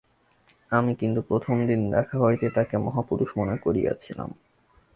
আমি কিন্তু প্রথম দিন দেখা হইতেই তাঁহাকে মহাপুরুষ মনে করিয়াছিলাম।